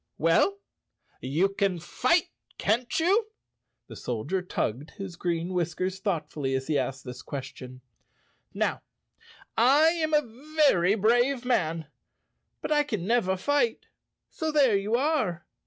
"Well, you can fight, can't you?" The Soldier tugged his green whiskers thoughtfully as he asked this ques¬ tion. "Now, I am a very brave man, but I can never fight, so there you are."